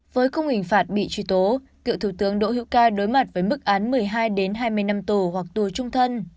với khung hình phạt bị truy tố cựu thủ tướng đỗ hữu ca đối mặt với mức án một mươi hai hai mươi năm tù hoặc tù trung thân